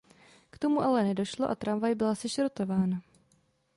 K tomu ale nedošlo a tramvaj byla sešrotována.